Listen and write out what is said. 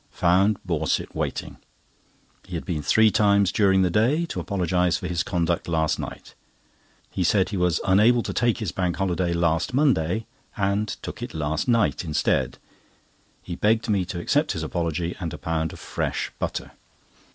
Found Borset waiting. He had been three times during the day to apologise for his conduct last night. He said he was unable to take his Bank Holiday last Monday, and took it last night instead. He begged me to accept his apology, and a pound of fresh butter.